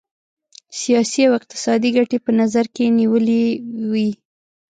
سیاسي او اقتصادي ګټي په نظر کې نیولي وې.